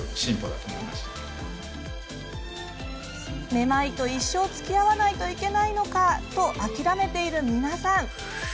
めまいと一生つきあわないといけないのかと諦めている皆さん！